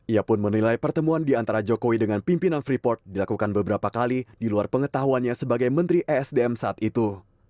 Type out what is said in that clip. ia pun menilai pertemuan di antara jokowi dengan pimpinan freeport dilakukan beberapa kali di luar pengetahuannya sebagai menteri esdm saat itu